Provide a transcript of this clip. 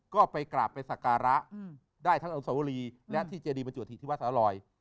ก็ไปกราบไปสักการะได้ทั้งอนุสวรีและที่เจดีบรรจุธิที่วัดสาลอย